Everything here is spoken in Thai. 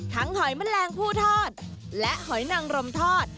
หอยแมลงผู้ทอดและหอยนังรมทอด